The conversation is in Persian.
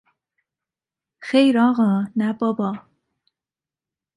خیر آقا!، نه بابا!